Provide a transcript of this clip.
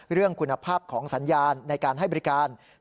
เรื่องคุณภาพของสัญญาณในการให้บริการ